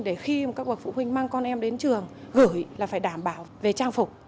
để khi các bậc phụ huynh mang con em đến trường gửi là phải đảm bảo về trang phục